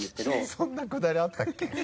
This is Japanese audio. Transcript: そんなくだりあったっけ？